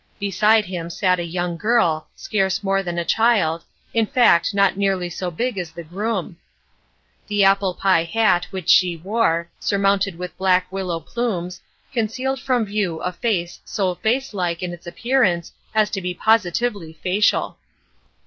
Beside him sat a young girl, scarce more than a child, in fact not nearly so big as the groom. The apple pie hat which she wore, surmounted with black willow plumes, concealed from view a face so face like in its appearance as to be positively facial.